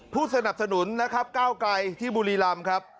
ผู้สนับสนุนนะครับก้าวไกลที่บุรีรำครับ